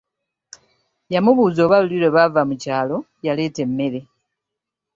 Yamubuuza oba luli lwe baava mu kyalo yaleeta emmere.